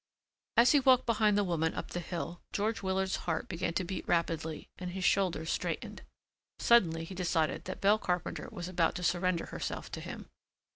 As he walked behind the woman up the hill George Willard's heart began to beat rapidly and his shoulders straightened. Suddenly he decided that Belle Carpenter was about to surrender herself to him.